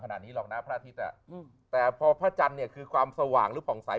ขนาดนี้หรอกนะพระอาทิตย์แต่พอพระจันทร์คือความสว่างทุกของสาย